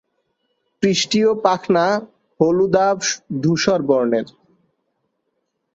পৃষ্ঠীয় পাখনা হলুদাভ ধূসর বর্ণের।